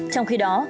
trong khi đó